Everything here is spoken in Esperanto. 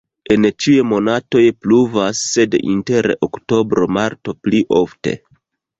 En ĉiuj monatoj pluvas, sed inter oktobro-marto pli ofte.